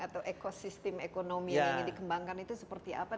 atau ekosistem ekonomi yang ingin dikembangkan itu seperti apa